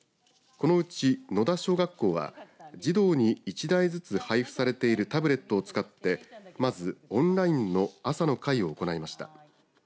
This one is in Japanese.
このうち野田小学校は児童に１台ずつ配布されているタブレットを使ってまずオンラインの朝の会を行いました。